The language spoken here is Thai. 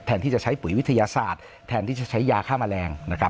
ที่จะใช้ปุ๋ยวิทยาศาสตร์แทนที่จะใช้ยาฆ่าแมลงนะครับ